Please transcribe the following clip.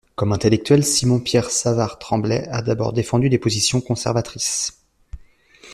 Comme intellectuel, Simon-Pierre Savard-Tremblay a d’abord défendu des positions conservatrices.